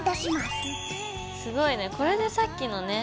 すごいねこれでさっきのね